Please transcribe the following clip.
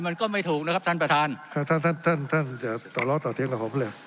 มันก็ไม่ถูกนะครับท่านประธานครับท่านท่านท่านอย่าต่อล้อต่อเถียงกับผมเลย